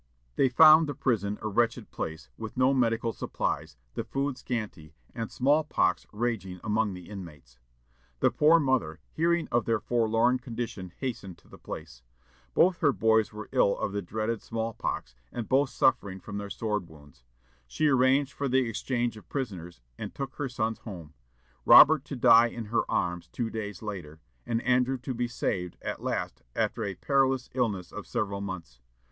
They found the prison a wretched place, with no medical supplies; the food scanty, and small pox raging among the inmates. The poor mother, hearing of their forlorn condition, hastened to the place. Both her boys were ill of the dreaded small pox, and both suffering from their sword wounds. She arranged for the exchange of prisoners, and took her sons home; Robert to die in her arms two days later, and Andrew to be saved at last after a perilous illness of several months.